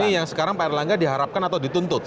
ini yang sekarang pak erlangga diharapkan atau dituntut